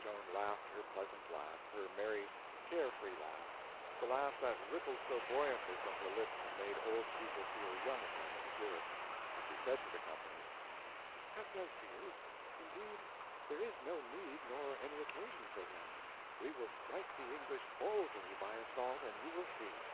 Joan laughed her pleasant laugh, her merry, carefree laugh; the laugh that rippled so buoyantly from her lips and made old people feel young again to hear it; and she said to the company: "Have no fears—indeed, there is no need nor any occasion for them. We will strike the English boldly by assault, and you will see."